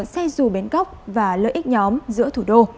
xe dù bến cóc và lợi ích nhóm giữa thủ đô